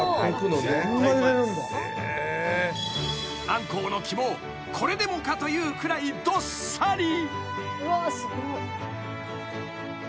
［アンコウの肝をこれでもかというくらいどっさり］